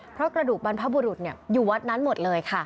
เพราะกระดูกบรรพบุรุษอยู่วัดนั้นหมดเลยค่ะ